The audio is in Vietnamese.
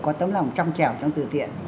có tâm lòng trong trẻo trong từ thiện